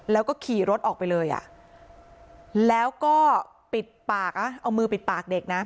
แล้วก็ขี่รถออกไปเลยอ่ะแล้วก็ปิดปากนะเอามือปิดปากเด็กนะ